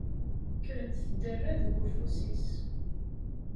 Kkrent tderra deg ufus-is.